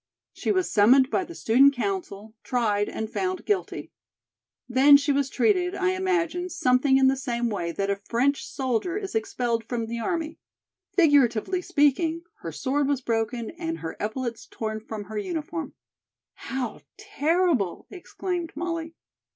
She was summoned by the Student Council, tried and found guilty. Then she was treated, I imagine, something in the same way that a French soldier is expelled from the army. Figuratively speaking, her sword was broken and her epaulettes torn from her uniform!" "How terrible!" exclaimed Molly.